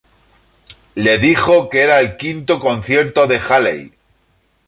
Le dijo que era el quinto concierto de Halley.